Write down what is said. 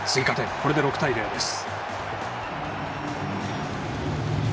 これで６対０です。